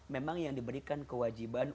memang yang diberikan kewajiban